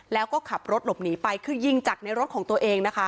แล้วก็ขับรถหลบหนีไปคือยิงจากในรถของตัวเองนะคะ